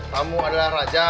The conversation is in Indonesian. tamu adalah raja